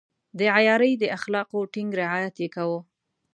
د عیارۍ د اخلاقو ټینګ رعایت يې کاوه.